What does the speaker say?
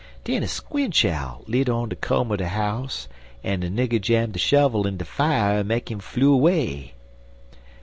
Den a squinch owl lit on de koam er de house, en de nigger jam de shovel in de fier en make 'im flew away.